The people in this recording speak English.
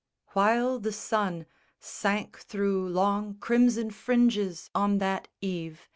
While the sun Sank thro' long crimson fringes on that eve.